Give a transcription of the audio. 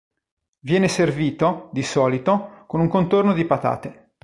Viene servito, di solito, con un contorno di patate.